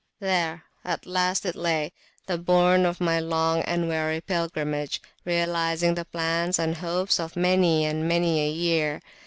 There at last it lay, the bourn of my long and weary Pilgrimage, realising the plans and hopes of many and many a year.